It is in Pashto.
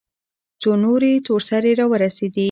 څو نورې تور سرې راورسېدې.